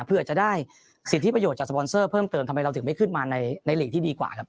เพื่อจะได้สิทธิประโยชน์จากสปอนเซอร์เพิ่มเติมทำไมเราถึงไม่ขึ้นมาในหลีกที่ดีกว่าครับ